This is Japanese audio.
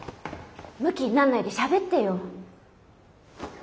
ムキになんないでしゃべってよ。